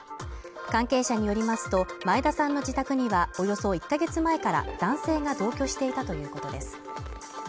関係者によりますと、前田さんの自宅には、およそ１か月前から男性が同居していたということです。